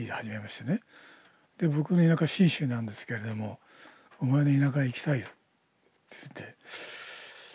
で僕の田舎信州なんですけれども「お前の田舎へ行きたい」って言って。